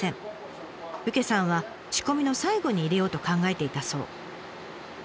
うけさんは仕込みの最後に入れようと考えていたそう。